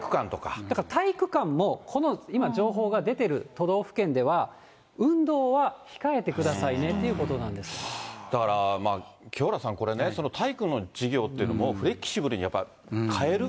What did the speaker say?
だから体育館も、この今この情報が出てる都道府県では、運動は控えてくださいねっていうことだからまあ、清原さん、これね、体育の授業というのも、フレキシブルに変える。